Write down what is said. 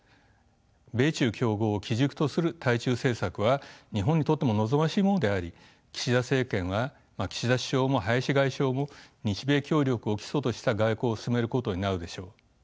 米中競合を基軸とする対中政策は日本にとっても望ましいものであり岸田政権は岸田首相も林外相も日米協力を基礎とした外交を進めることになるでしょう。